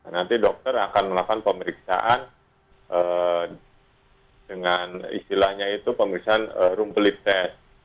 nanti dokter akan melakukan pemeriksaan dengan istilahnya itu pemeriksaan rumpelit test